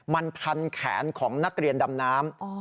มันพันแขนของนักเรียนดำน้ำ